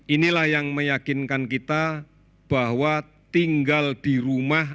inilah yang meyakinkan kita bahwa tinggal di rumah